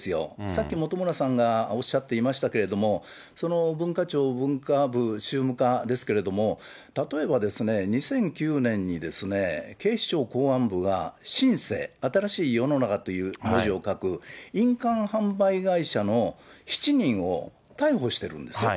さっき本村さんがおっしゃっていましたけれども、文化庁文化部宗務課ですけれども、例えば、２００９年に警視庁公安部が新世、新しい世の中という文字を書く、印鑑販売会社の７人を逮捕してるんですね。